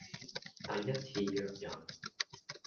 第一次約人